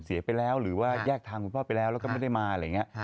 เสียไปแล้วหรือว่าแยกทางคุณพ่อไปแล้วแล้วก็ไม่ได้มาอะไรอย่างนี้